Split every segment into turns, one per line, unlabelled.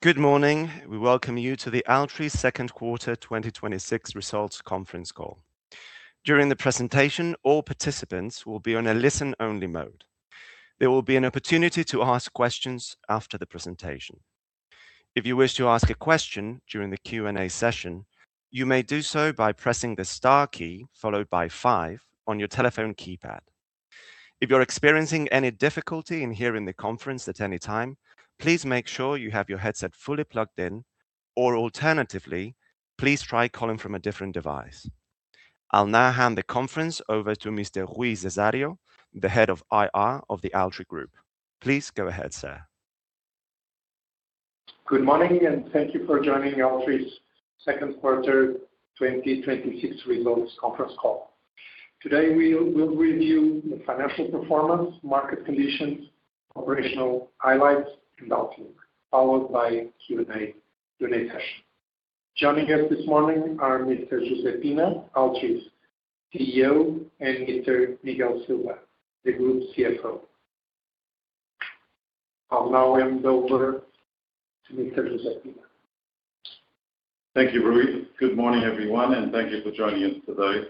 Good morning. We welcome you to the Altri Second Quarter 2026 results conference call. During the presentation, all participants will be on a listen-only mode. There will be an opportunity to ask questions after the presentation. If you wish to ask a question during the Q&A session, you may do so by pressing the star key, followed by five on your telephone keypad. If you are experiencing any difficulty in hearing the conference at any time, please make sure you have your headset fully plugged in, or alternatively, please try calling from a different device. I will now hand the conference over to Mr. Rui Cesário, the Head of IR of the Altri group. Please go ahead, sir.
Good morning, thank you for joining Altri's second quarter 2026 results conference call. Today, we will review the financial performance, market conditions, operational highlights, and outlook, followed by Q&A session. Joining us this morning are Mr. José Pina, Altri's CEO, and Mr. Miguel Silva, the group's CFO. I will now hand over to Mr. José Pina.
Thank you, Rui. Good morning, everyone, thank you for joining us today.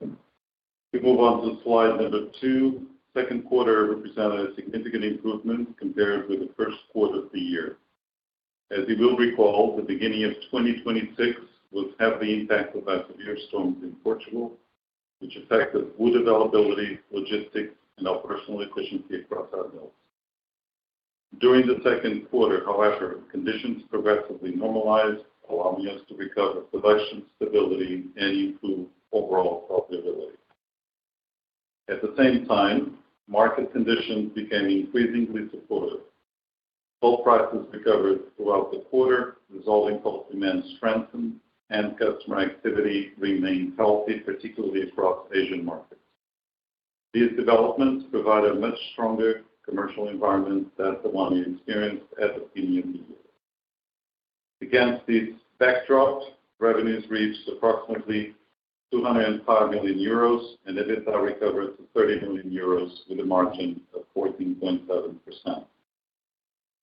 If we move on to slide number two, second quarter represented a significant improvement compared with the first quarter of the year. As you will recall, the beginning of 2026 was heavily impacted by severe storms in Portugal, which affected wood availability, logistics, and operational efficiency across our mills. During the second quarter, however, conditions progressively normalized, allowing us to recover production stability and improve overall profitability. At the same time, market conditions became increasingly supportive. Pulp prices recovered throughout the quarter, dissolving pulp demand strengthened, customer activity remained healthy, particularly across Asian markets. These developments provide a much stronger commercial environment than the one we experienced at the beginning of the year. Against this backdrop, revenues reached approximately 205 million euros and EBITDA recovered to 30 million euros with a margin of 14.7%.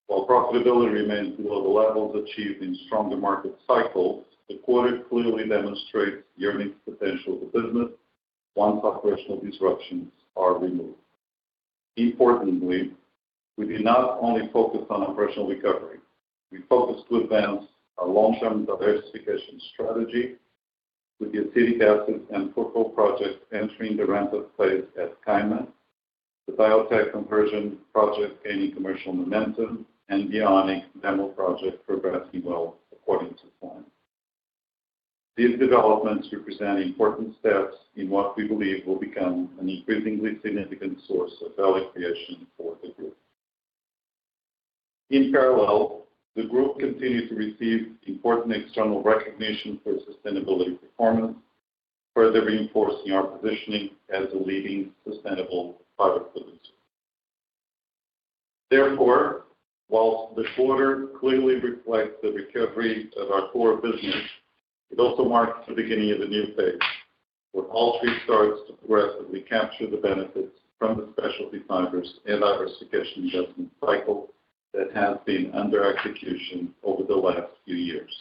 While profitability remains below the levels achieved in stronger market cycles, the quarter clearly demonstrates the earning potential of the business once operational disruptions are removed. Importantly, we did not only focus on operational recovery. We focused to advance our long-term diversification strategy with the acetic acid and furfural projects entering the ramp-up phase at Caima, the Biotek conversion project gaining commercial momentum, and the AeoniQ demo project progressing well according to plan. These developments represent important steps in what we believe will become an increasingly significant source of value creation for the group. In parallel, the group continued to receive important external recognition for sustainability performance, further reinforcing our positioning as a leading sustainable product producer. Therefore, whilst this quarter clearly reflects the recovery of our core business, it also marks the beginning of a new phase, where Altri starts to progressively capture the benefits from the specialty fibers and diversification investment cycle that has been under execution over the last few years.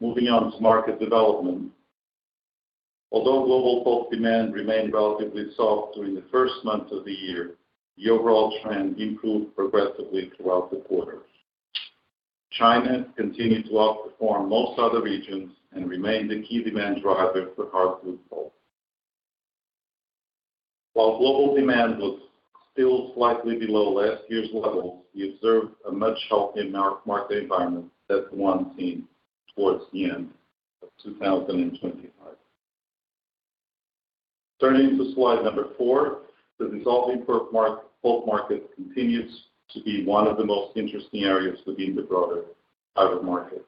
Moving on to market development. Although global pulp demand remained relatively soft during the first months of the year, the overall trend improved progressively throughout the quarter. China continued to outperform most other regions and remained a key demand driver for hardwood pulp. While global demand was still slightly below last year's levels, we observed a much healthier market environment than the one seen towards the end of 2025. Turning to slide number four, the dissolving pulp market continues to be one of the most interesting areas within the broader fiber market.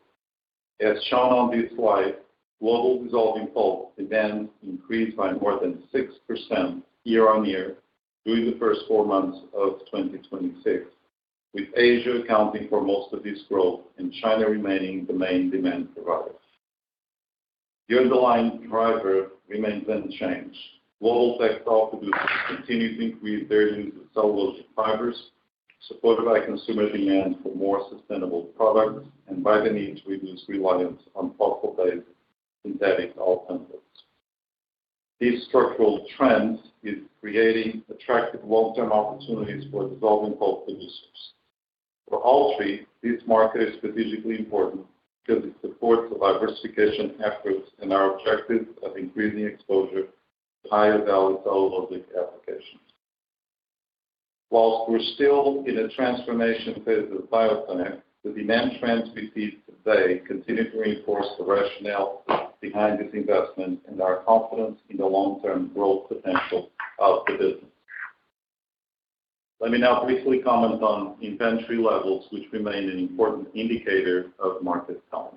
As shown on this slide, global dissolving pulp demand increased by more than 6% year-on-year during the first four months of 2026, with Asia accounting for most of this growth and China remaining the main demand driver. The underlying driver remains unchanged. Global textile producers continue to increase their use of cellulosic fibers, supported by consumer demand for more sustainable products and by the need to reduce reliance on fossil-based synthetic alternatives. These structural trends is creating attractive long-term opportunities for dissolving pulp producers. For Altri, this market is strategically important because it supports the diversification efforts and our objective of increasing exposure to higher value cellulose applications. Whilst we're still in a transformation phase of the bioplant, the demand trends we see today continue to reinforce the rationale behind this investment and our confidence in the long-term growth potential of the business. Let me now briefly comment on inventory levels, which remain an important indicator of market health.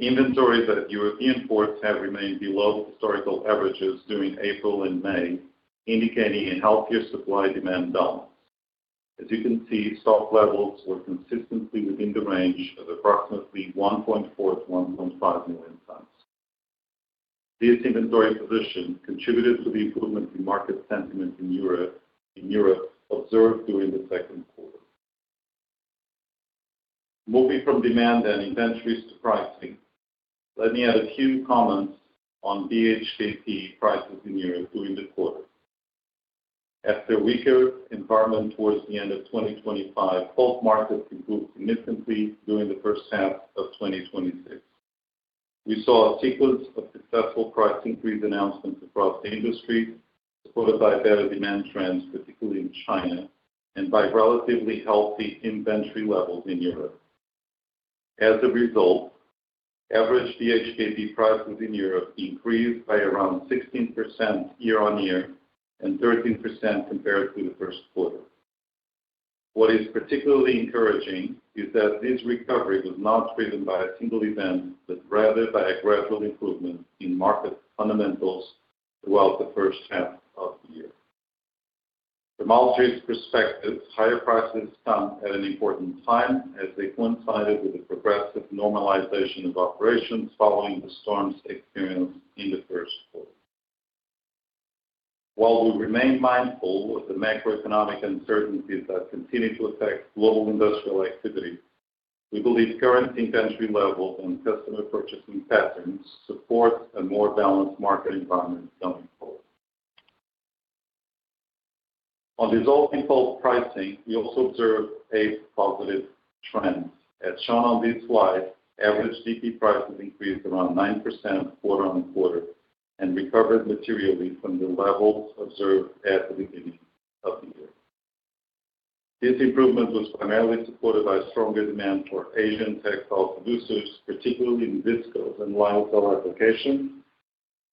Inventories at European ports have remained below historical averages during April and May, indicating a healthier supply-demand balance. As you can see, stock levels were consistently within the range of approximately 1.4 million-1.5 million tons. This inventory position contributed to the improvement in market sentiment in Europe observed during the second quarter. Moving from demand and inventories to pricing, let me add a few comments on BHKP prices in Europe during the quarter. After a weaker environment towards the end of 2025, pulp markets improved significantly during the first half of 2026. We saw a sequence of successful price increase announcements across the industry, supported by better demand trends, particularly in China, and by relatively healthy inventory levels in Europe. As a result, average BHKP prices in Europe increased by around 16% year-on-year and 13% compared to the first quarter. What is particularly encouraging is that this recovery was not driven by a single event, but rather by a gradual improvement in market fundamentals throughout the first half of the year. From Altri's perspective, higher prices come at an important time as they coincided with the progressive normalization of operations following the storms experienced in the first quarter. While we remain mindful of the macroeconomic uncertainties that continue to affect global industrial activity, we believe current inventory levels and customer purchasing patterns support a more balanced market environment going forward. On dissolving pulp pricing, we also observed a positive trend. As shown on this slide, average DP prices increased around 9% quarter-on-quarter and recovered materially from the levels observed at the beginning of the year. This improvement was primarily supported by stronger demand for Asian textile producers, particularly in viscose and lyocell applications,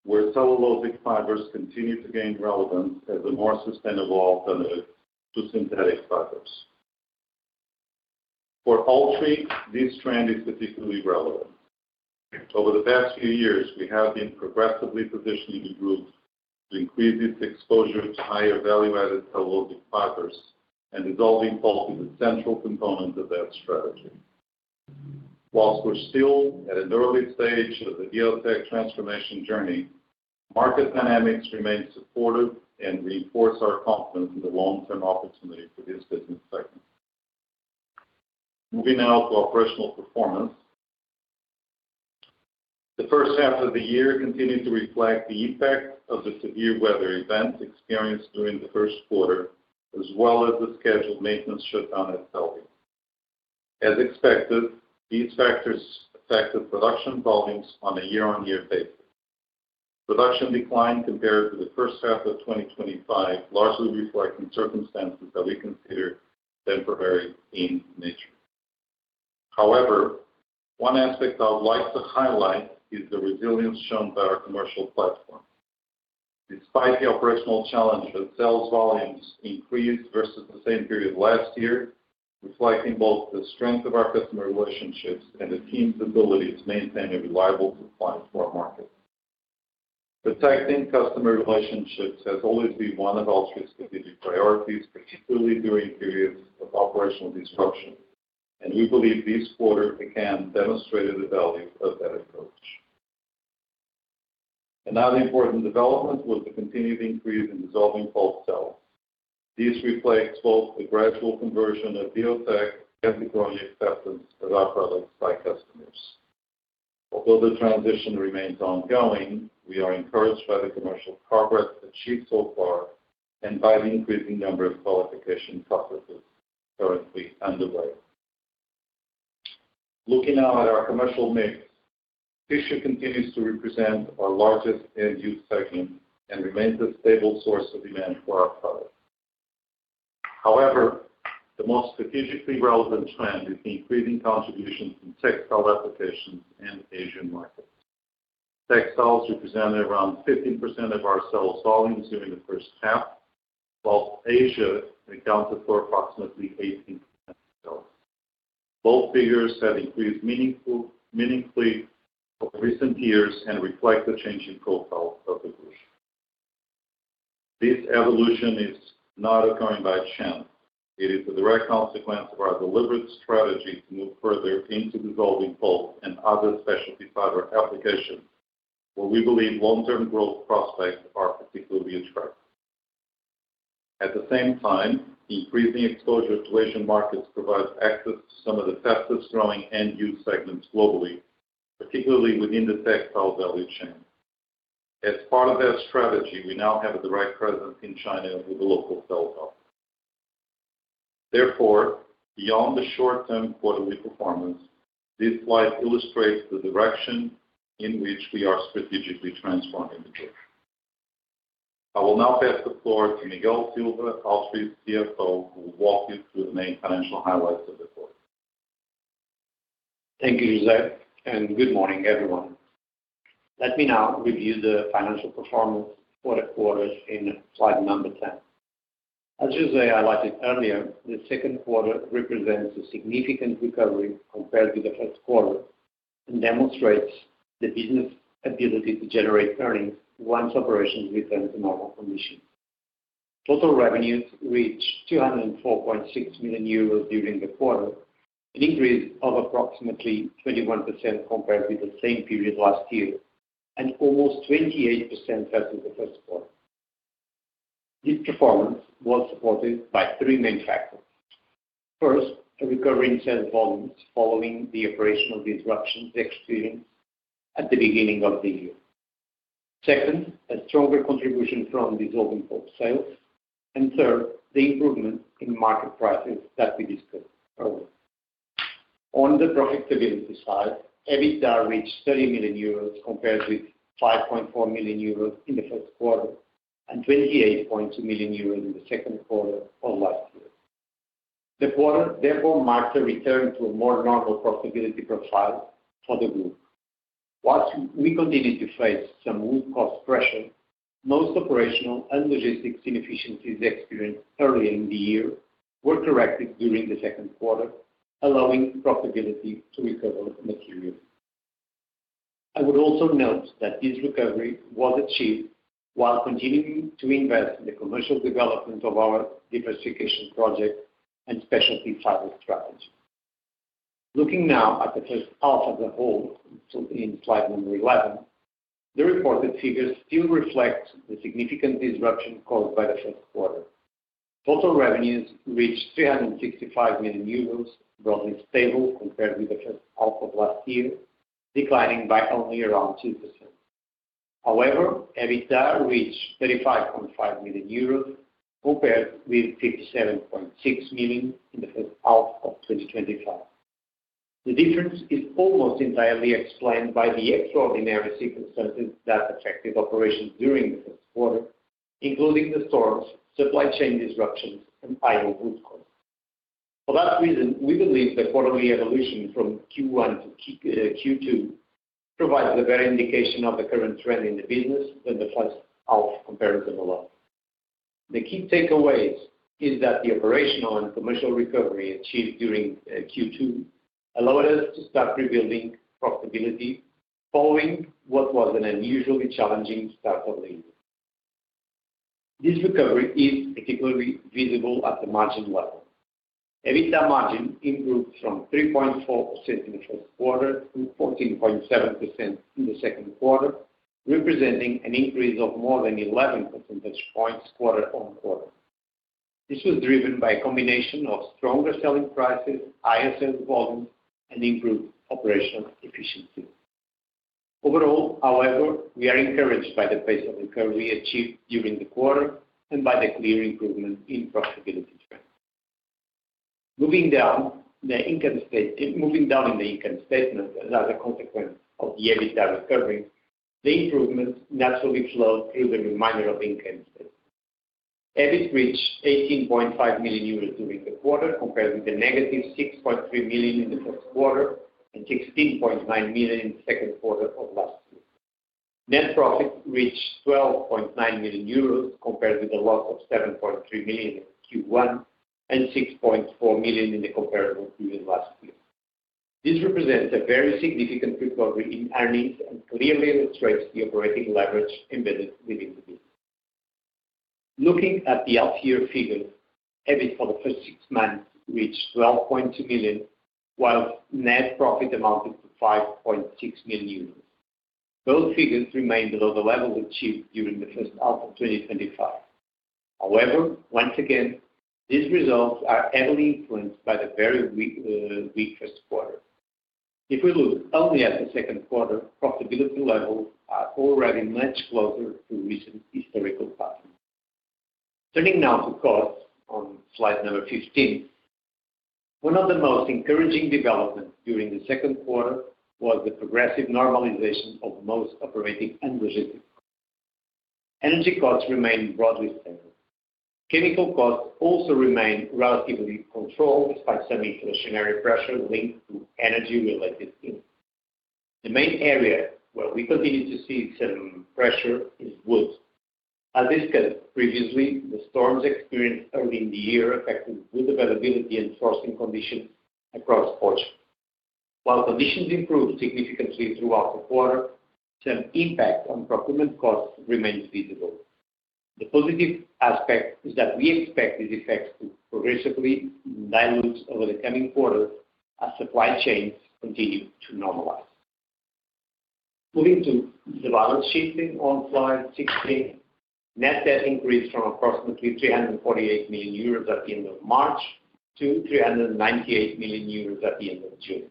where cellulosic fibers continue to gain relevance as a more sustainable alternative to synthetic fibers. For Altri, this trend is particularly relevant. Over the past few years, we have been progressively positioning the group to increase its exposure to higher value-added cellulosic fibers, and dissolving pulp is a central component of that strategy. Whilst we're still at an early stage of the AeoniQ transformation journey, market dynamics remain supportive and reinforce our confidence in the long-term opportunity for this business segment. Moving now to operational performance. The first half of the year continued to reflect the impact of the severe weather events experienced during the first quarter, as well as the scheduled maintenance shutdown at Celbi. As expected, these factors affected production volumes on a year-over-year basis. Production declined compared to the first half of 2025, largely reflecting circumstances that we consider temporary in nature. One aspect I would like to highlight is the resilience shown by our commercial platform. Despite the operational challenge that sales volumes increased versus the same period last year, reflecting both the strength of our customer relationships and the team's ability to maintain a reliable supply for our market. Protecting customer relationships has always been one of Altri's strategic priorities, particularly during periods of operational disruption, and we believe this quarter again demonstrated the value of that approach. Another important development was the continued increase in dissolving pulp sales. This reflects both the gradual conversion of AeoniQ and the growing acceptance of our products by customers. Although the transition remains ongoing, we are encouraged by the commercial progress achieved so far and by the increasing number of qualification processes currently underway. Looking now at our commercial mix. Tissue continues to represent our largest end-use segment and remains a stable source of demand for our products. The most strategically relevant trend is the increasing contribution from textile applications and Asian markets. Textiles represented around 15% of our sales volumes during the first half, while Asia accounted for approximately 18% of sales. Both figures have increased meaningfully over recent years and reflect the changing profile of the group. This evolution is not occurring by chance. It is a direct consequence of our deliberate strategy to move further into dissolving pulp and other specialty fiber applications, where we believe long-term growth prospects are particularly attractive. At the same time, increasing exposure to Asian markets provides access to some of the fastest growing end-use segments globally, particularly within the textile value chain. As part of that strategy, we now have a direct presence in China with a local seller. Therefore, beyond the short-term quarterly performance, this slide illustrates the direction in which we are strategically transforming the group. I will now pass the floor to Miguel Silva, Altri's CFO, who will walk you through the main financial highlights of the quarter.
Thank you, José, and good morning, everyone. Let me now review the financial performance for the quarter in slide 10. As José highlighted earlier, the second quarter represents a significant recovery compared to the first quarter and demonstrates the business' ability to generate earnings once operations return to normal conditions. Total revenues reached 204.6 million euros during the quarter, an increase of approximately 21% compared with the same period last year, and almost 28% versus the first quarter. This performance was supported by three main factors. First, a recovery in sales volumes following the operational disruptions experienced at the beginning of the year. Second, a stronger contribution from dissolving pulp sales. Third, the improvement in market prices that we discussed earlier. On the profitability side, EBITDA reached 30 million euros, compared with 5.4 million euros in the first quarter and 28.2 million euros in the second quarter of last year. The quarter therefore marks a return to a more normal profitability profile for the group. While we continue to face some wood cost pressure, most operational and logistics inefficiencies experienced earlier in the year were corrected during the second quarter, allowing profitability to recover materially. I would also note that this recovery was achieved while continuing to invest in the commercial development of our diversification project and specialty fiber strategy. Looking now at the first half of the whole, in slide 11, the reported figures still reflect the significant disruption caused by the first quarter. Total revenues reached 365 million euros, broadly stable compared with the first half of last year, declining by only around 2%. However, EBITDA reached 35.5 million euros, compared with 57.6 million in the first half of 2025. The difference is almost entirely explained by the extraordinary circumstances that affected operations during the first quarter, including the storms, supply chain disruptions, and higher wood cost. For that reason, we believe the quarterly evolution from Q1-Q2 provides a better indication of the current trend in the business than the first half comparison alone. The key takeaway is that the operational and commercial recovery achieved during Q2 allowed us to start rebuilding profitability following what was an unusually challenging start of the year. This recovery is particularly visible at the margin level. EBITDA margin improved from 3.4% in the first quarter to 14.7% in the second quarter, representing an increase of more than 11 percentage points quarter-on-quarter. This was driven by a combination of stronger selling prices, higher sales volumes, and improved operational efficiency. Overall, however, we are encouraged by the pace of recovery achieved during the quarter and by the clear improvement in profitability trends. Moving down in the income statement as a consequence of the EBITDA recovery, the improvements naturally flow through the remainder of the income statement. EBIT reached 18.5 million euros during the quarter, compared with a -6.3 million in the first quarter and 16.9 million in the second quarter of last year. Net profit reached 12.9 million euros, compared with a loss of 7.3 million in Q1 and 6.4 million in the comparable period last year. This represents a very significant recovery in earnings and clearly illustrates the operating leverage embedded within the group. Looking at the half year figures, EBIT for the first six months reached 12.2 million, while net profit amounted to 5.6 million euros. Both figures remain below the level achieved during the first half of 2025. Once again, these results are heavily influenced by the very weak first quarter. If we look only at the second quarter, profitability levels are already much closer to recent historical patterns. Turning now to costs on slide 15. One of the most encouraging developments during the second quarter was the progressive normalization of most operating and logistics costs. Energy costs remained broadly stable. Chemical costs also remained relatively controlled, despite some inflationary pressure linked to energy-related inputs. The main area where we continue to see some pressure is wood. As discussed previously, the storms experienced early in the year affected wood availability and forest conditions across Portugal. While conditions improved significantly throughout the quarter, some impact on procurement costs remains visible. The positive aspect is that we expect this effect to progressively dilute over the coming quarters as supply chains continue to normalize. Moving to the balance sheet on slide 16. Net debt increased from approximately 348 million euros at the end of March to 398 million euros at the end of June.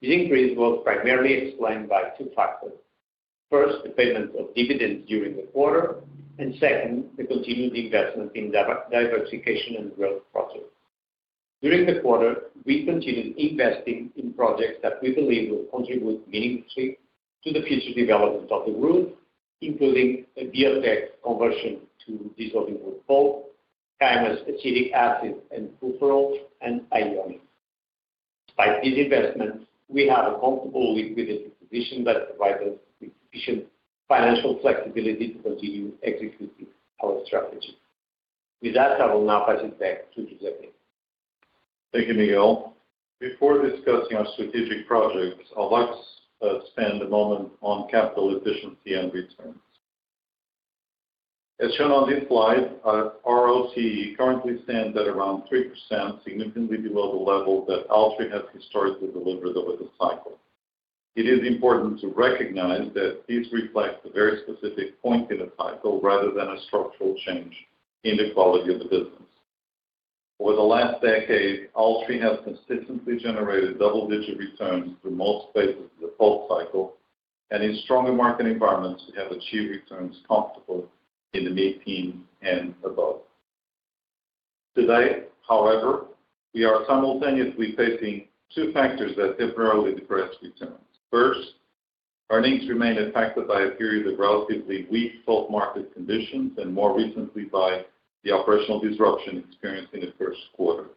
This increase was primarily explained by two factors. First, the payment of dividends during the quarter, and second, the continued investment in diversification and growth projects. During the quarter, we continued investing in projects that we believe will contribute meaningfully to the future development of the group, including a Biotek conversion to dissolving pulp, Caima's acetic acid and furfural, and AeoniQ. Despite these investments, we have a comfortable liquidity position that provides us with sufficient financial flexibility to continue executing our strategy. With that, I will now pass it back to José.
Thank you, Miguel. Before discussing our strategic projects, I'd like to spend a moment on capital efficiency and returns. As shown on this slide, our ROCE currently stands at around 3%, significantly below the level that Altri has historically delivered over the cycle. It is important to recognize that this reflects a very specific point in the cycle rather than a structural change in the quality of the business. Over the last decade, Altri has consistently generated double digit returns through most phases of the pulp cycle, and in stronger market environments, we have achieved returns comfortable in the mid-teens and above. Today, however, we are simultaneously facing two factors that temporarily depress returns. First, our needs remain impacted by a period of relatively weak pulp market conditions and more recently by the operational disruption experienced in the first quarter.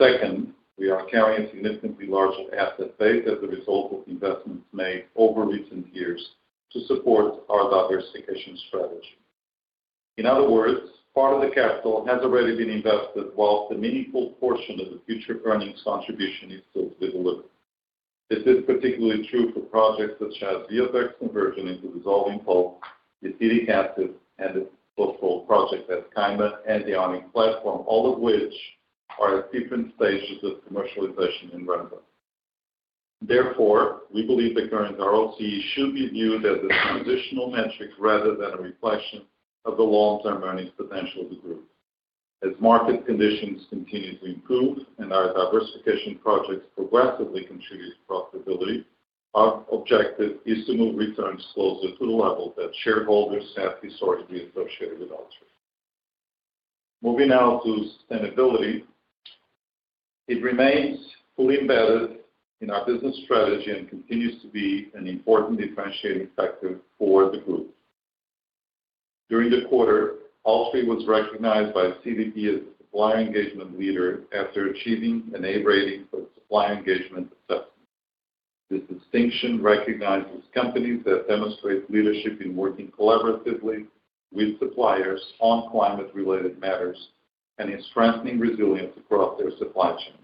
Second, we are carrying a significantly larger asset base as a result of investments made over recent years to support our diversification strategy. In other words, part of the capital has already been invested, whilst a meaningful portion of the future earnings contribution is still to be delivered. This is particularly true for projects such as the Biotek conversion into dissolving pulp, the acetic acid, and the furfural project at Caima and the AeoniQ platform, all of which are at different stages of commercialization and ramp-up. Therefore, we believe the current ROCE should be viewed as a transitional metric rather than a reflection of the long-term earnings potential of the group. As market conditions continue to improve and our diversification projects progressively contribute to profitability, our objective is to move returns closer to the level that shareholders have historically associated with Altri. Moving now to sustainability. It remains fully embedded in our business strategy and continues to be an important differentiating factor for the group. During the quarter, Altri was recognized by CDP as a supply engagement leader after achieving an A rating for the supply engagement assessment. This distinction recognizes companies that demonstrate leadership in working collaboratively with suppliers on climate-related matters and in strengthening resilience across their supply chain.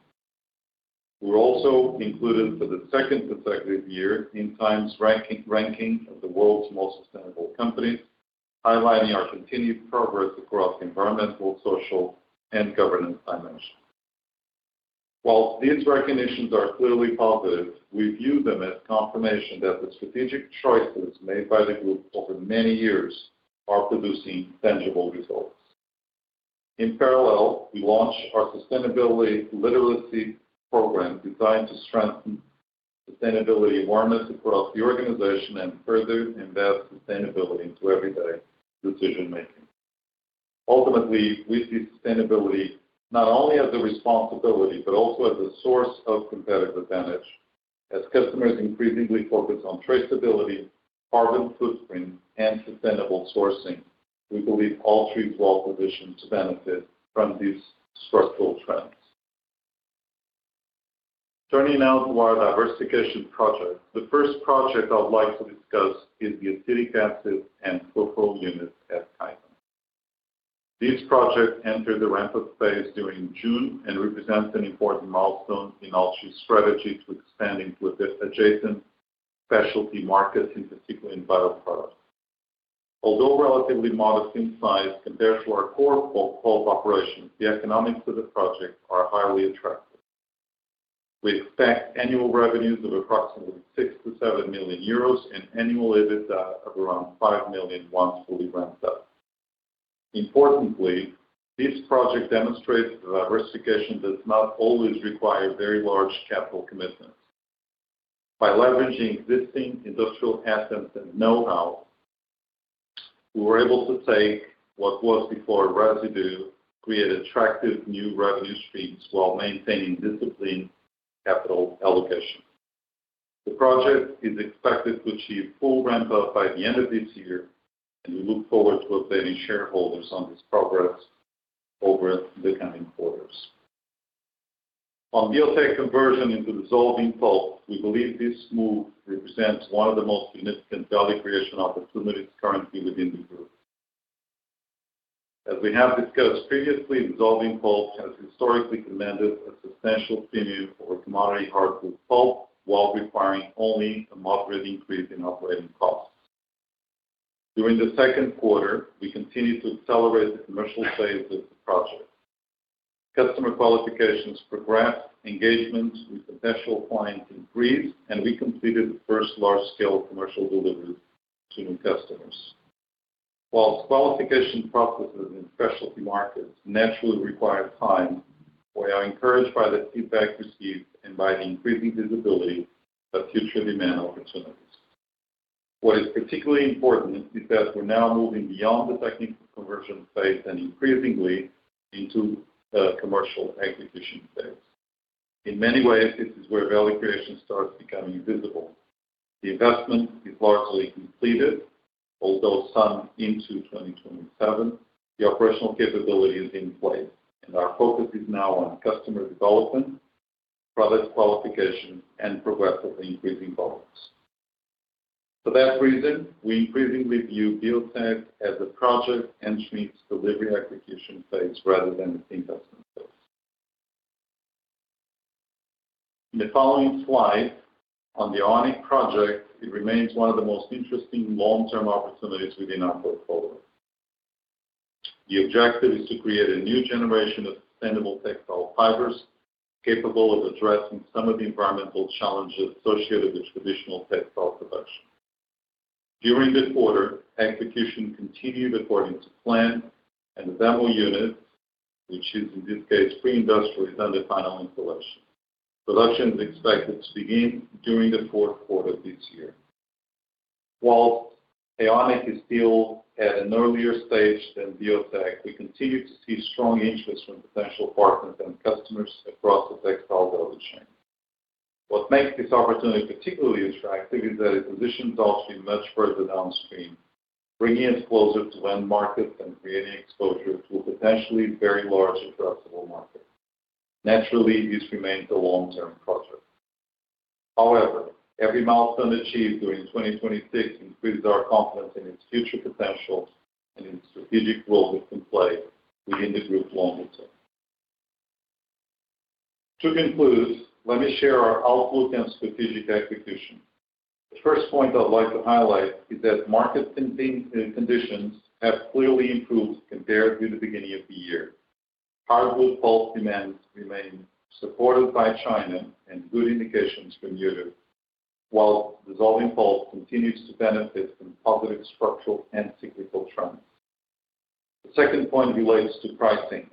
We are also included for the second consecutive year in TIME's ranking of the world's most sustainable companies, highlighting our continued progress across the environmental, social, and governance dimensions. While these recognitions are clearly positive, we view them as confirmation that the strategic choices made by the group over many years are producing tangible results. In parallel, we launched our sustainability literacy program designed to strengthen sustainability awareness across the organization and further embed sustainability into everyday decision-making. Ultimately, we see sustainability not only as a responsibility but also as a source of competitive advantage. As customers increasingly focus on traceability, carbon footprint, and sustainable sourcing, we believe Altri is well-positioned to benefit from these structural trends. Turning now to our diversification project. The first project I would like to discuss is the acetic acid and furfural units at Caima. This project entered the ramp-up phase during June and represents an important milestone in Altri's strategy to expand into adjacent specialty markets, in particular in bioproducts. Although relatively modest in size compared to our core pulp operations, the economics of the project are highly attractive. We expect annual revenues of approximately 6 million-7 million euros and annual EBITDA of around 5 million once fully ramped up. Importantly, this project demonstrates that diversification does not always require very large capital commitments. By leveraging existing industrial assets and know-how, we were able to take what was before a residue, create attractive new revenue streams while maintaining disciplined capital allocation. The project is expected to achieve full ramp-up by the end of this year, and we look forward to updating shareholders on this progress over the coming quarters. On the Biotek conversion into dissolving pulp, we believe this move represents one of the most significant value creation opportunities currently within the group. As we have discussed previously, dissolving pulp has historically commanded a substantial premium over commodity hardwood pulp while requiring only a moderate increase in operating costs. During the second quarter, we continued to accelerate the commercial phase of the project. Customer qualifications progressed, engagement with potential clients increased, and we completed the first large-scale commercial delivery to new customers. Whilst qualification processes in specialty markets naturally require time, we are encouraged by the feedback received and by the increasing visibility of future demand opportunities. What is particularly important is that we are now moving beyond the technical conversion phase and increasingly into the commercial acquisition phase. In many ways, this is where value creation starts becoming visible. The investment is largely completed, although some into 2027. The operational capability is in place, and our focus is now on customer development, product qualification, and progressively increasing volumes. For that reason, we increasingly view Biotek as a project entry into delivery acquisition phase rather than an investment phase. In the following slide on the AeoniQ project, it remains one of the most interesting long-term opportunities within our portfolio. The objective is to create a new generation of sustainable textile fibers capable of addressing some of the environmental challenges associated with traditional textile production. During this quarter, execution continued according to plan, and the demo unit, which is in this case pre-industrial, is under final installation. Production is expected to begin during the fourth quarter of this year. While AeoniQ is still at an earlier stage than Biotek, we continue to see strong interest from potential partners and customers across the textile value chain. What makes this opportunity particularly attractive is that it positions Altri much further downstream, bringing us closer to end markets and creating exposure to a potentially very large addressable market. Naturally, this remains a long-term project. However, every milestone achieved during 2026 increases our confidence in its future potential and its strategic role it can play within the group long term. To conclude, let me share our outlook and strategic execution. The first point I'd like to highlight is that market conditions have clearly improved compared to the beginning of the year. Hardwood pulp demand remains supported by China and good indications from Europe, while dissolving pulp continues to benefit from positive structural and cyclical trends. The second point relates to pricing.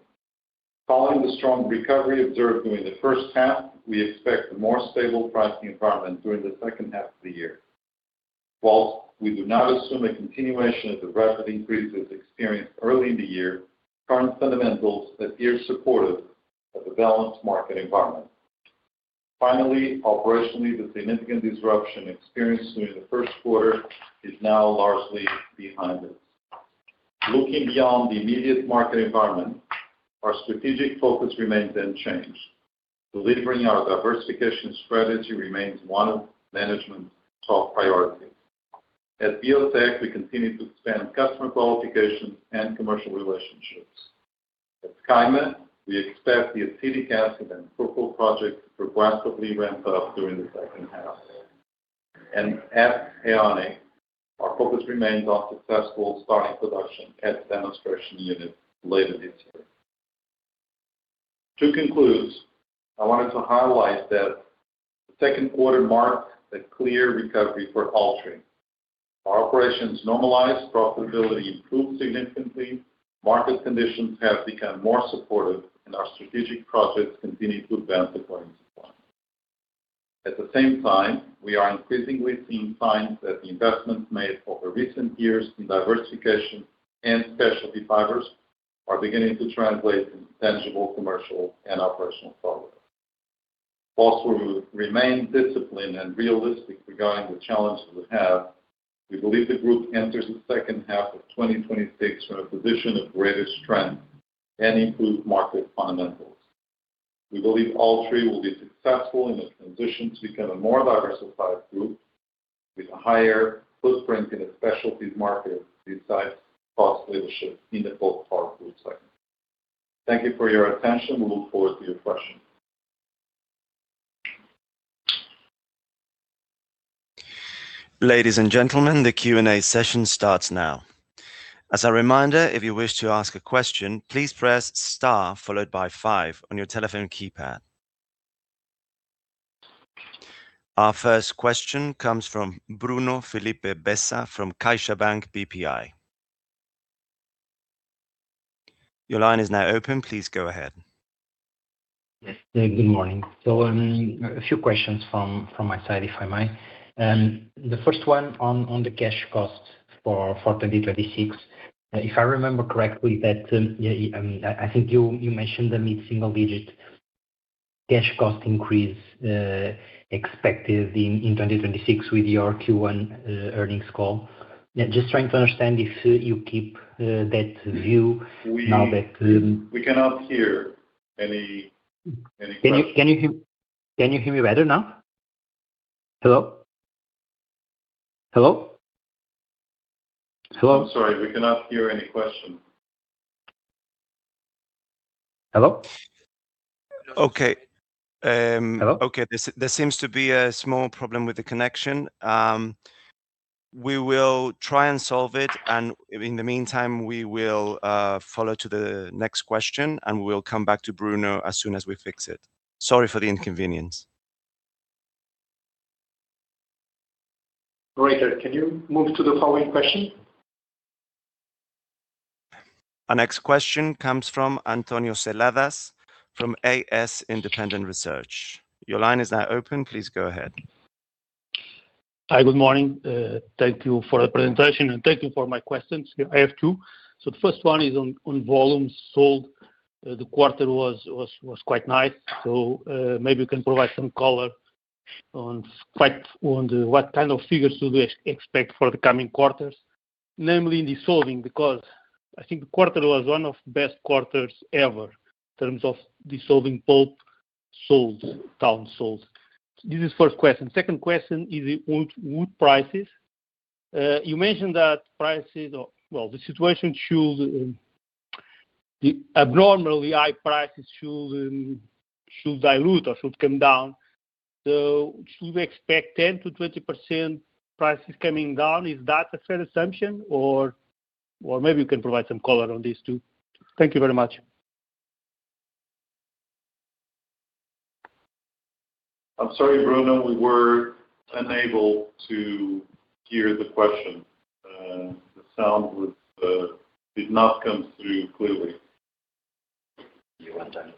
Following the strong recovery observed during the first half, we expect a more stable pricing environment during the second half of the year. While we do not assume a continuation of the rapid increases experienced early in the year, current fundamentals appear supportive of a balanced market environment. Finally, operationally, the significant disruption experienced during the first quarter is now largely behind us. Looking beyond the immediate market environment, our strategic focus remains unchanged. Delivering our diversification strategy remains one of management's top priorities. At Biotek, we continue to expand customer qualifications and commercial relationships. At Caima, we expect the acetic acid and furfural project to progressively ramp up during the second half. At AeoniQ, our focus remains on successful starting production at the demonstration unit later this year. To conclude, I wanted to highlight that the second quarter marked a clear recovery for Altri. Our operations normalized, profitability improved significantly, market conditions have become more supportive, and our strategic projects continue to advance according to plan. At the same time, we are increasingly seeing signs that the investments made over recent years in diversification and specialty fibers are beginning to translate into tangible commercial and operational progress. Whilst we will remain disciplined and realistic regarding the challenges we have, we believe the group enters the second half of 2026 from a position of greater strength and improved market fundamentals. We believe Altri will be successful in its transition to become a more diversified group with a higher footprint in the specialties market besides cost leadership in the bulk pulp segment. Thank you for your attention. We look forward to your questions.
Ladies and gentlemen, the Q&A session starts now. As a reminder, if you wish to ask a question, please press star followed by five on your telephone keypad. Our first question comes from Bruno Filipe Bessa from CaixaBank BPI. Your line is now open. Please go ahead.
Yes. Good morning. A few questions from my side, if I may. The first one on the cash costs for 2026. If I remember correctly, I think you mentioned the mid-single digit cash cost increase expected in 2026 with your Q1 earnings call. Just trying to understand if you keep that view.
We cannot hear any questions.
Can you hear me better now? Hello? Hello? Hello?
I'm sorry. We cannot hear any question.
Hello?
Okay.
Hello?
Okay, there seems to be a small problem with the connection. We will try and solve it, and in the meantime, we will follow to the next question, and we will come back to Bruno as soon as we fix it. Sorry for the inconvenience.
Can you move to the following question?
Our next question comes from António Seladas from AS Independent Research. Your line is now open. Please go ahead.
Hi. Good morning. Thank you for the presentation, and thank you for my questions. I have two. The first one is on volumes sold. The quarter was quite nice, maybe you can provide some color on what kind of figures do we expect for the coming quarters, namely in dissolving, because I think the quarter was one of the best quarters ever in terms of dissolving pulp sold, tons sold. This is first question. Second question is the wood prices. You mentioned that the abnormally high prices should dilute or should come down. Should we expect 10%-20% prices coming down? Is that a fair assumption? Maybe you can provide some color on these two? Thank you very much.
I'm sorry, Bruno, we were unable to hear the question. The sound did not come through clearly.
Your turn.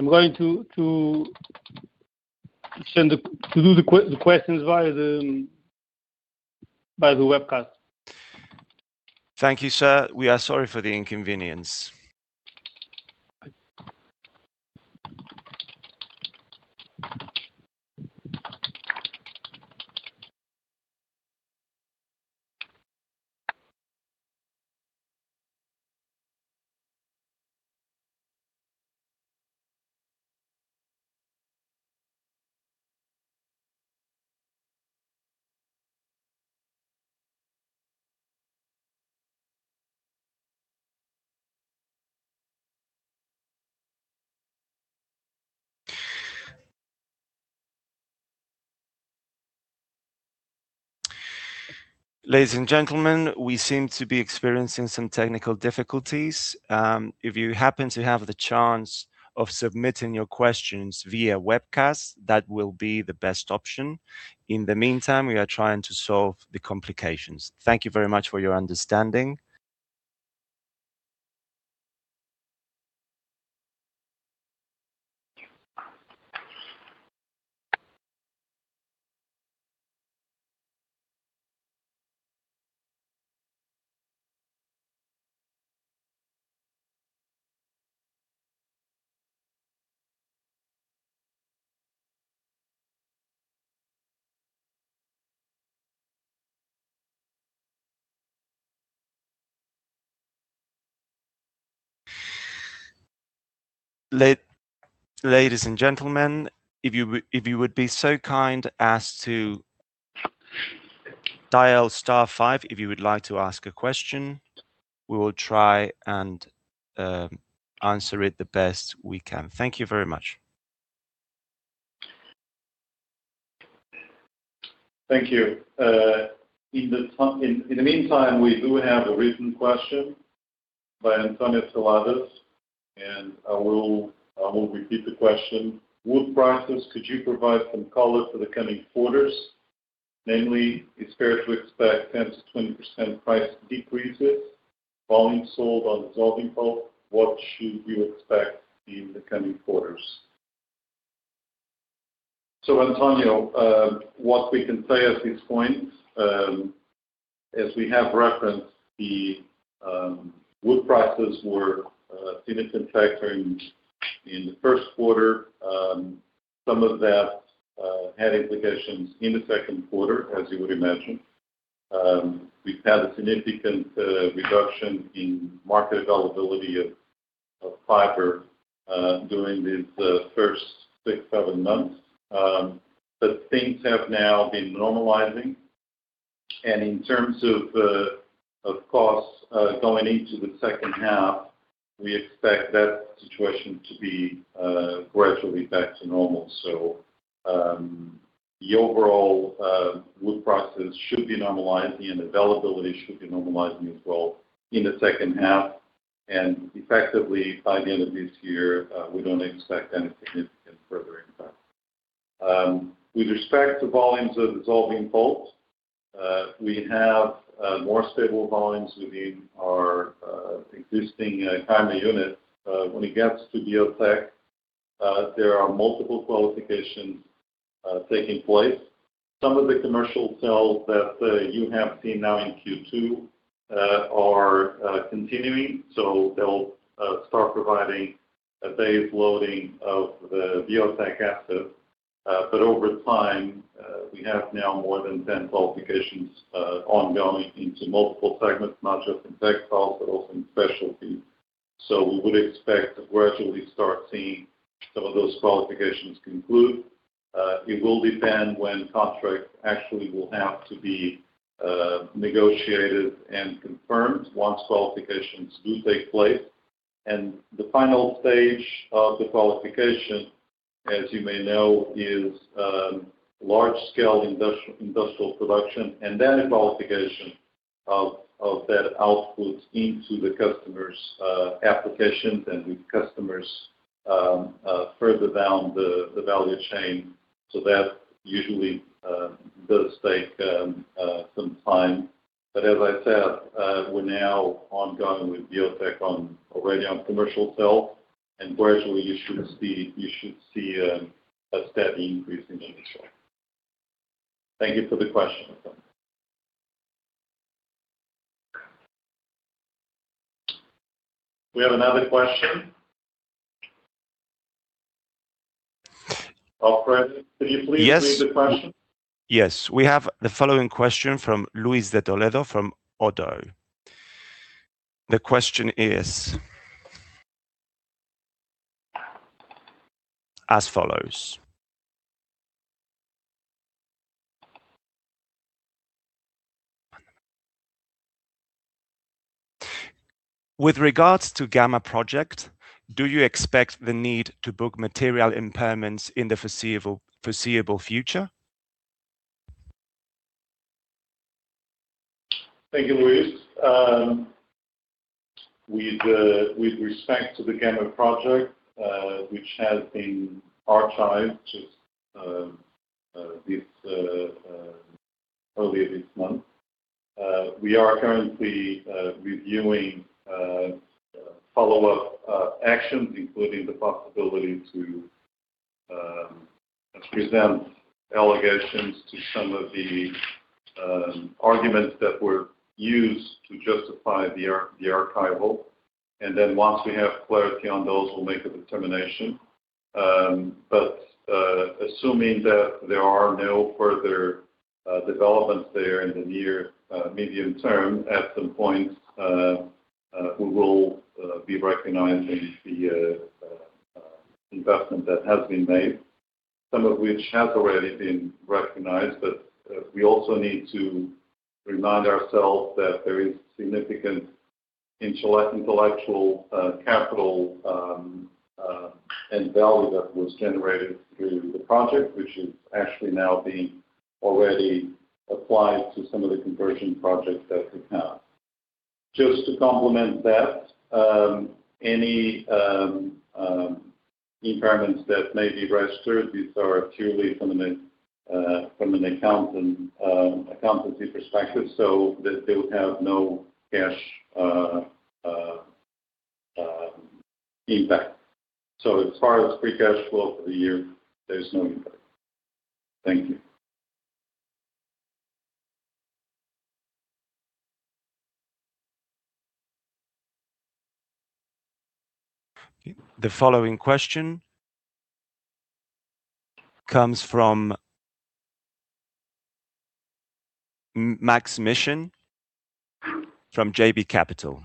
I'm going to do the questions via the webcast.
Thank you, sir. We are sorry for the inconvenience. Ladies and gentlemen, we seem to be experiencing some technical difficulties. If you happen to have the chance of submitting your questions via webcast, that will be the best option. In the meantime, we are trying to solve the complications. Thank you very much for your understanding. Ladies and gentlemen, if you would be so kind as to dial star five if you would like to ask a question. We will try and answer it the best we can. Thank you very much.
Thank you. In the meantime, we do have a written question by António Seladas, and I will repeat the question. Wood prices, could you provide some color for the coming quarters? Namely, is it fair to expect 10%-20% price decreases? Volumes sold on dissolving pulp, what should we expect in the coming quarters? António, what we can say at this point, as we have referenced, the wood prices were significantly factoring in the first quarter. Some of that had implications in the second quarter, as you would imagine. We've had a significant reduction in market availability of fiber during these first six, seven months. Things have now been normalizing, and in terms of costs going into the second half, we expect that situation to be gradually back to normal. The overall wood prices should be normalizing, and availability should be normalizing as well in the second half. Effectively, by the end of this year, we don't expect any significant further impact. With respect to volumes of dissolving pulp, we have more stable volumes within our existing Caima unit. When it gets to Biotek, there are multiple qualifications taking place. Some of the commercial sales that you have seen now in Q2 are continuing, so they will start providing a base loading of the Biotek asset. Over time, we have now more than 10 qualifications ongoing into multiple segments, not just in textiles, but also in specialty. We would expect to gradually start seeing some of those qualifications conclude. It will depend when contracts actually will have to be negotiated and confirmed once qualifications do take place. The final stage of the qualification, as you may know, is large-scale industrial production and then a qualification of that output into the customer's applications and with customers further down the value chain. That usually does take some time. As I said, we're now ongoing with Biotek already on commercial sale. Gradually, you should see a steady increase in Indonesia. Thank you for the question. We have another question. Alfred, can you please-
Yes.
read the question?
Yes. We have the following question from Luis de Toledo from Oddo. The question is as follows. With regards to Gama Project, do you expect the need to book material impairments in the foreseeable future?
Thank you, Luis. With respect to the Gama Project, which has been archived just earlier this month, we are currently reviewing follow-up actions, including the possibility to present allegations to some of the arguments that were used to justify the archival. Once we have clarity on those, we will make a determination. Assuming that there are no further developments there in the near medium term, at some point, we will be recognizing the investment that has been made, some of which has already been recognized. We also need to remind ourselves that there is significant intellectual capital and value that was generated through the project, which is actually now being already applied to some of the conversion projects that we have. Just to complement that, any impairments that may be registered, these are purely from an accountancy perspective, so they would have no cash impact. As far as free cash flow for the year, there is no impact. Thank you.
The following question comes from Maksym Mishyn from JB Capital.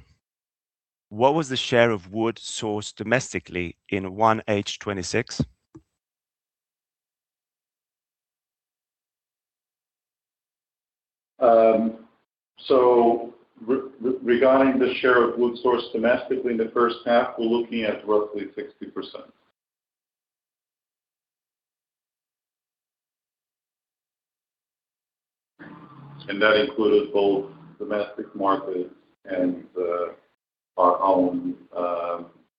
What was the share of wood sourced domestically in 1H 2026?
Regarding the share of wood sourced domestically in the first half, we're looking at roughly 60%. That included both domestic markets and our own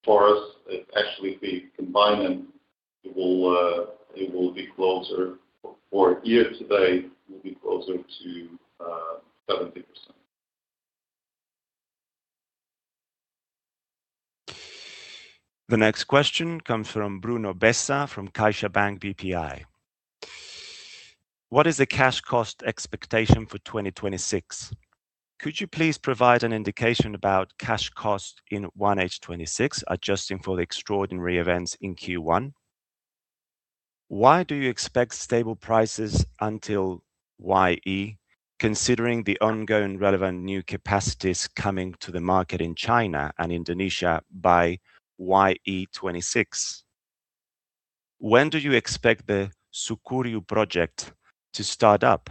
forests. Actually, if we combine them, it will be closer, for year-to-date, it will be closer to 70%.
The next question comes from Bruno Bessa from CaixaBank BPI. What is the cash cost expectation for 2026? Could you please provide an indication about cash cost in 1H 2026, adjusting for the extraordinary events in Q1? Why do you expect stable prices until YE, considering the ongoing relevant new capacities coming to the market in China and Indonesia by YE 2026? When do you expect the Sucuriú Project to start up?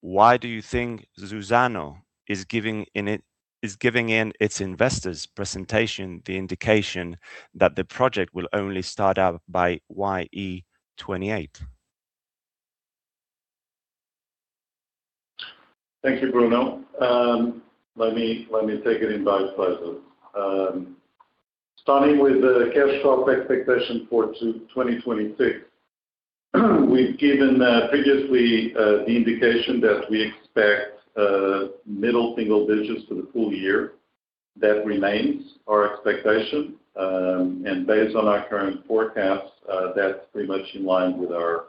Why do you think Suzano is giving in its investors presentation the indication that the project will only start up by YE 2028?
Thank you, Bruno. Let me take it in by slices. Starting with the cash flow expectation for 2026. We've given previously the indication that we expect middle-single digits for the full year. That remains our expectation. Based on our current forecast, that's pretty much in line with our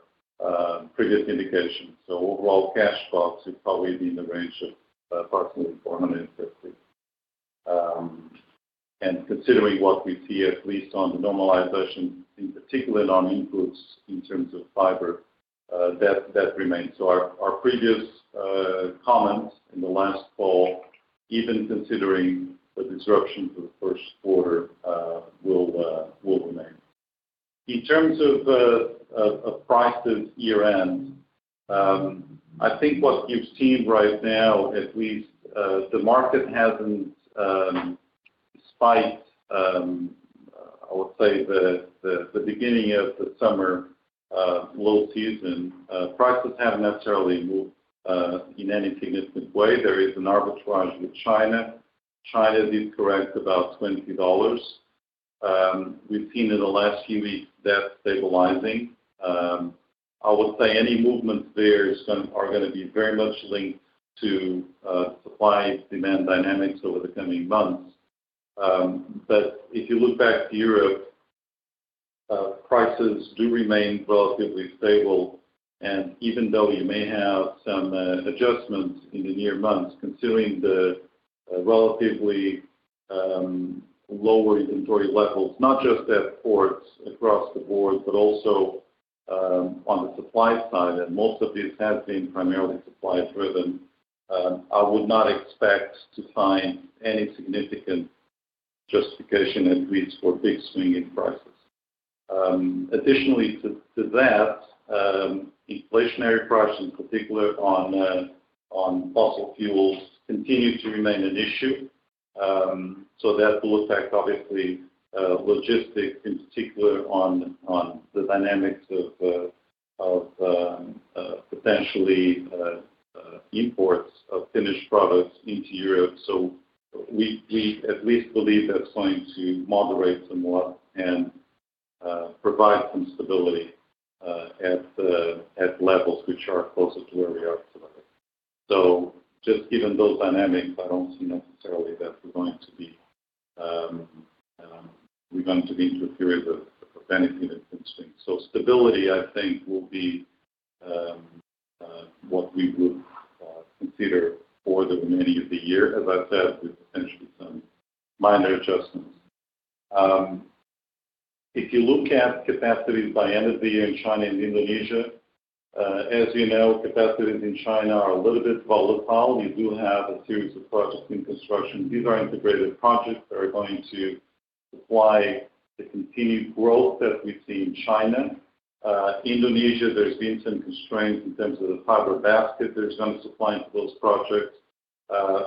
previous indication. Overall cash flow should probably be in the range of approximately 450 million. Considering what we see, at least on the normalization, in particular on inputs in terms of fiber, that remains. Our previous comments in the last call, even considering the disruption to the first quarter, will remain. In terms of prices year end, I think what you've seen right now, at least the market hasn't spiked. I would say the beginning of the summer low season, prices haven't necessarily moved in any significant way. There is an arbitrage with China. China is correct about $20. We've seen in the last few weeks that stabilizing. I would say any movements there are going to be very much linked to supply and demand dynamics over the coming months. If you look back to Europe, prices do remain relatively stable, even though you may have some adjustments in the near months considering the relatively lower inventory levels, not just at ports across the board, but also on the supply side, most of this has been primarily supply-driven. I would not expect to find any significant justification and reason for a big swing in prices. Additionally to that, inflationary prices, in particular on fossil fuels, continue to remain an issue. That will affect, obviously, logistics, in particular on the dynamics of potentially imports of finished products into Europe. We at least believe that's going to moderate somewhat and provide some stability at levels which are closer to where we are today. Just given those dynamics, I don't see necessarily that we're going to be into a period of anything that can swing. Stability, I think, will be what we would consider for the remaining of the year. As I've said, with potentially some minor adjustments. If you look at capacities by end of the year in China and Indonesia, as you know, capacities in China are a little bit volatile. We do have a series of projects in construction. These are integrated projects that are going to supply the continued growth that we see in China. Indonesia, there's been some constraints in terms of the fiber basket that is going to supply into those projects.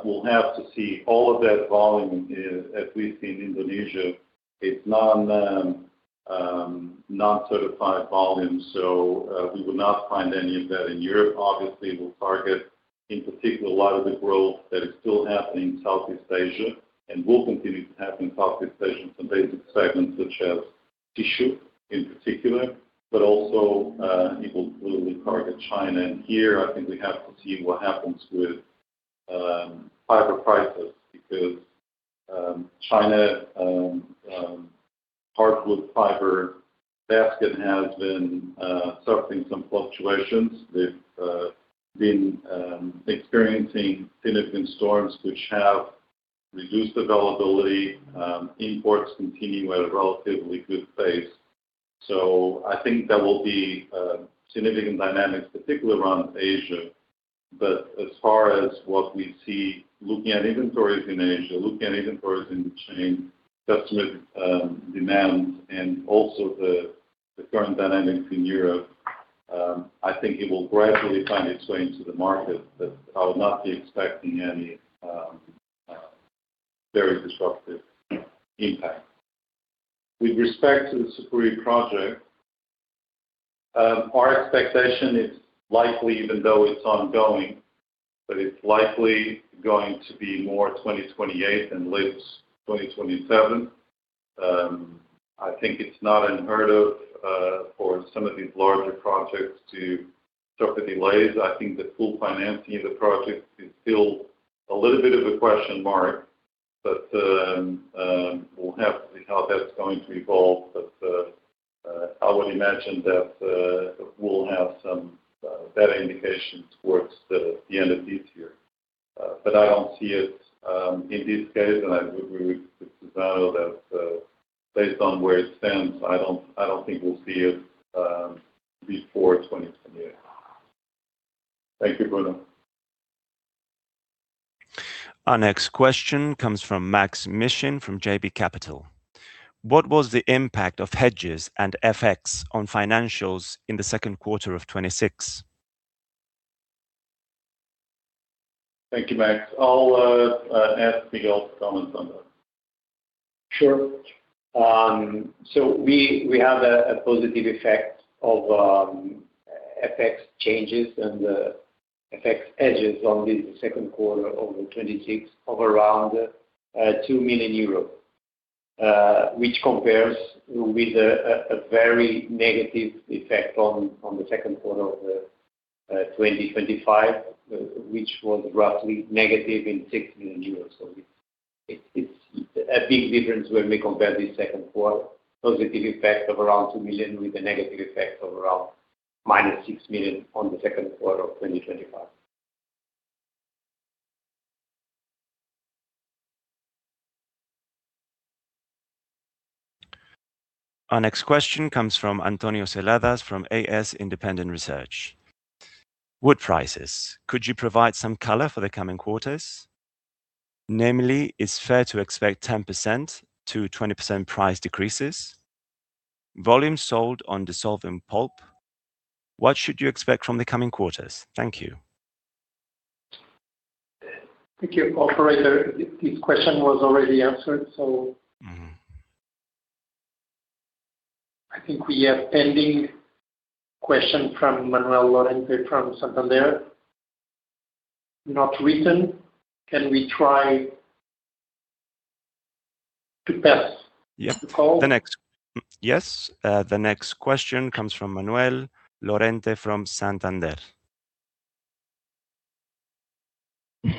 We'll have to see all of that volume, at least in Indonesia. It's non-certified volume, we will not find any of that in Europe. Obviously, we'll target, in particular, a lot of the growth that is still happening in Southeast Asia and will continue to happen in Southeast Asia in some basic segments such as tissue in particular, but also it will really target China. Here, I think we have to see what happens with fiber prices because China's hardwood fiber basket has been suffering some fluctuations. They've been experiencing significant storms which have reduced availability. Imports continue at a relatively good pace. I think there will be significant dynamics, particularly around Asia. As far as what we see looking at inventories in Asia, looking at inventories in China, customer demand, and also the current dynamics in Europe, I think it will gradually find its way into the market, but I would not be expecting any very disruptive impact. With respect to the Sucuriú project, our expectation is likely, even though it's ongoing, that it's likely going to be more 2028 than late 2027. I think it's not unheard of for some of these larger projects to suffer delays. I think the full financing of the project is still a little bit of a question mark, but we'll have to see how that's going to evolve. I would imagine that we'll have some better indication towards the end of this year. I don't see it in this case, and I would agree that based on where it stands, I don't think we'll see it before 2028. Thank you, Bruno.
Our next question comes from Maksym Mishyn from JB Capital. What was the impact of hedges and FX on financials in the second quarter of 2026?
Thank you, Maksym. I'll ask Miguel to comment on that.
Sure. We have a positive effect of FX changes and FX hedges on the second quarter of 2026 of around 2 million euros, which compares with a very negative effect on the second quarter of 2025, which was roughly in -6 million euros. It's a big difference when we compare the second quarter positive effect of around 2 million, with a negative effect of around -6 million on the second quarter of 2025.
Our next question comes from António Seladas from AS Independent Research. Wood prices. Could you provide some color for the coming quarters? Namely, is it fair to expect 10%-20% price decreases? Volume sold on dissolving pulp, what should you expect from the coming quarters? Thank you.
Thank you, Operator. This question was already answered. I think we have a pending question from Manuel Lorente from Santander. Not written. Can we try. Yeah the call.
Yes. The next question comes from Manuel Lorente from Santander.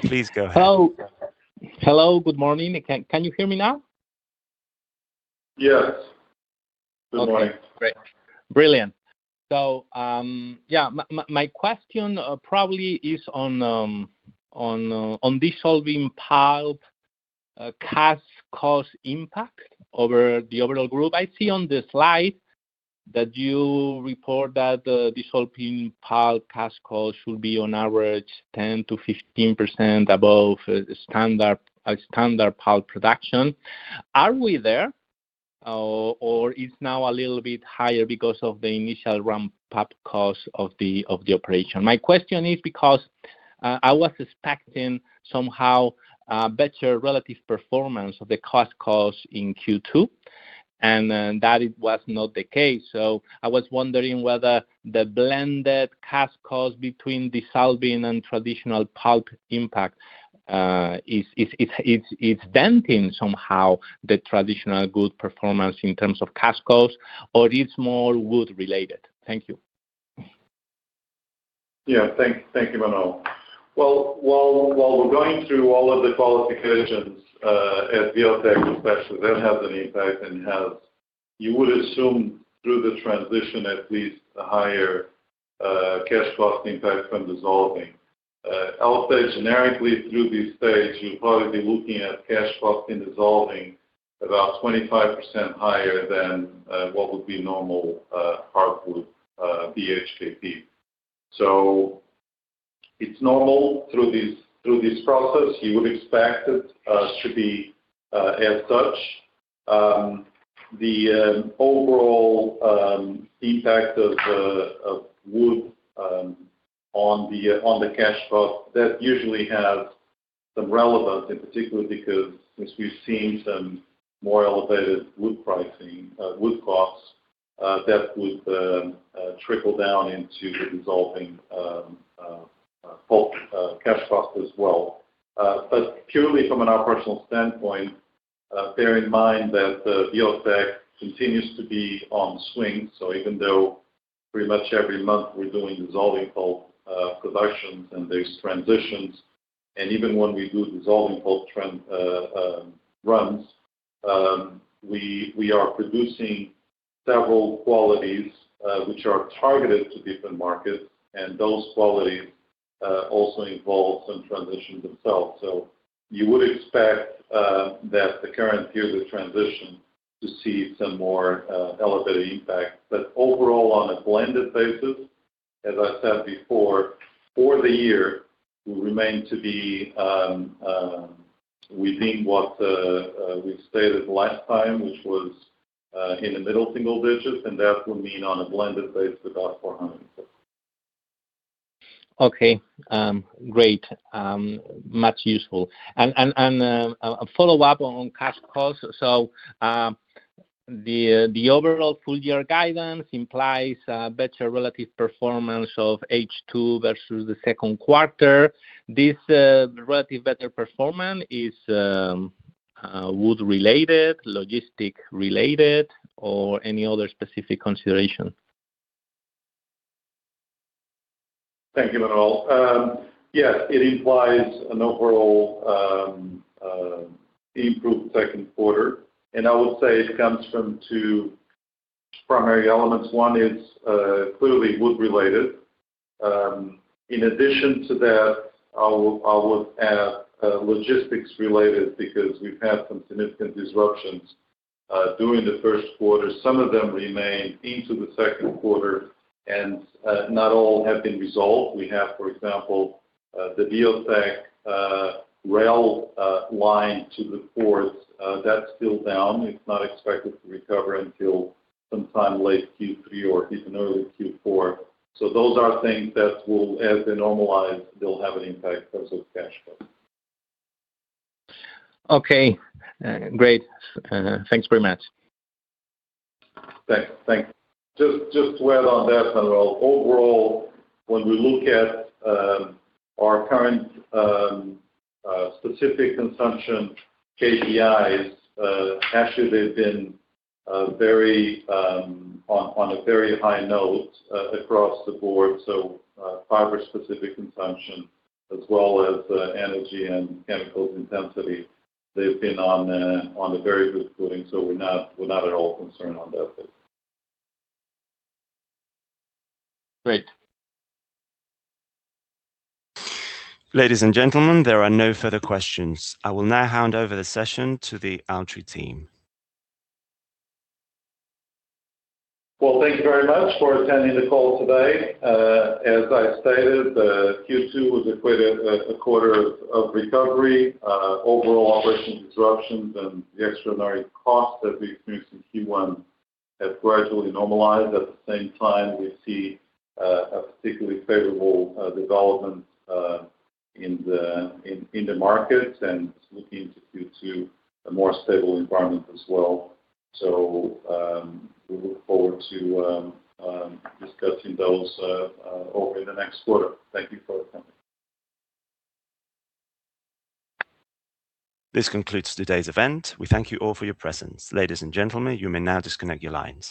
Please go ahead.
Hello. Good morning. Can you hear me now?
Yes. Good morning.
Okay, great. Brilliant. Yeah, my question probably is on dissolving pulp cash cost impact over the overall group. I see on the slide that you report that dissolving pulp cash cost should be on average 10%-15% above standard pulp production. Are we there, or it's now a little bit higher because of the initial ramp-up cost of the operation? My question is because I was expecting somehow better relative performance of the cash costs in Q2, and that was not the case. I was wondering whether the blended cash cost between dissolving and traditional pulp impact is denting somehow the traditional good performance in terms of cash costs, or it's more wood related? Thank you.
Yeah. Thank you, Manuel. Well, while we're going through all of the qualifications at Biotek especially, that has an impact, and you would assume through the transition at least a higher cash cost impact from dissolving. I'll say generically through this stage, you'd probably be looking at cash cost in dissolving about 25% higher than what would be normal hardwood BHKP. It's normal through this process. You would expect it should be as such. The overall impact of wood on the cash flow, that usually has some relevance in particular because since we've seen some more elevated wood pricing, wood costs, that would trickle down into the dissolving pulp cash cost as well. Purely from an operational standpoint, bear in mind that the Biotek continues to be on swing. Even though pretty much every month we're doing dissolving pulp productions and these transitions, and even when we do dissolving pulp runs, we are producing several qualities which are targeted to different markets, and those qualities also involve some transitions themselves. You would expect that the current year of the transition to see some more elevated impact. Overall, on a blended basis, as I said before, for the year, we remain to be within what we stated last time, which was in the middle-single digits, and that will mean on a blended basis, about 400.
Okay, great. Much useful. A follow-up on cash cost. The overall full-year guidance implies a better relative performance of H2 versus the second quarter. This relative better performance, is wood related, logistics related, or any other specific consideration?
Thank you, Manuel. It implies an overall improved second quarter. I would say it comes from two primary elements. One is clearly wood related. In addition to that, I would add logistics related because we've had some significant disruptions during the first quarter. Some of them remain into the second quarter and not all have been resolved. We have, for example, the Biotek rail line to the port. That's still down. It's not expected to recover until sometime late Q3 or even early Q4. Those are things that will, as they normalize, they'll have an impact also on cash cost.
Okay, great. Thanks very much.
Thanks. Just to add on that, Manuel, overall, when we look at our current specific consumption KPIs, actually they've been on a very high note across the board. Fiber specific consumption as well as energy and chemical intensity, they've been on a very good footing. We're not at all concerned on that basis.
Great.
Ladies and gentlemen, there are no further questions. I will now hand over the session to the Altri team.
Well, thank you very much for attending the call today. As I stated, Q2 was a quarter of recovery. Overall operation disruptions and the extraordinary costs that we experienced in Q1 have gradually normalized. At the same time, we see a particularly favorable development in the market and looking into Q2, a more stable environment as well. We look forward to discussing those over the next quarter. Thank you for attending.
This concludes today's event. We thank you all for your presence. Ladies and gentlemen, you may now disconnect your lines.